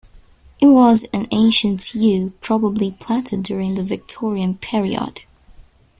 It was an ancient yew, probably planted during the Victorian period.